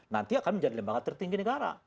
nanti akan menjadi lembaga tertinggi negara